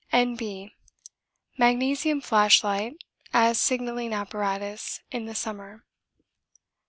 N.B. Magnesium flashlight as signalling apparatus in the summer.